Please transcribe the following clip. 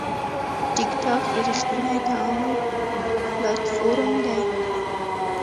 ټکټاک د ریښتیني تعامل پلاتفورم دی.